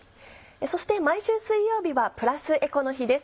そして毎週水曜日はプラスエコの日です。